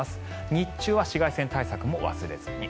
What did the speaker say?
日中は紫外線対策も忘れずに。